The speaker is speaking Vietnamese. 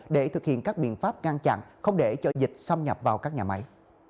để thực hiện các biện pháp ngăn chặn không để cho dịch xâm nhập vào các nhà máy